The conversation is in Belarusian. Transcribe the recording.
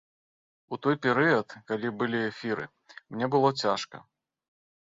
У той перыяд, калі былі эфіры, мне было цяжка.